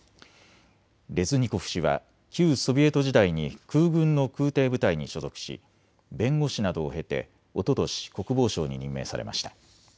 レズニコフ氏は旧ソビエト時代に空軍の空てい部隊に所属し弁護士などを経ておととし国防相に任命されました。